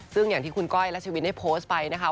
ซึ่งอย่างที่คุณก้อยรัชวินได้โพสต์ไปนะคะ